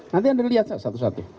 nanti anda lihat satu satu